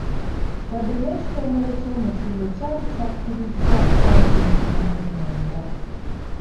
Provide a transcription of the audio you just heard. Wadde ng'ekitongole ky’omutindo kyali kyakkiriza kkampuni ana mu mwenda.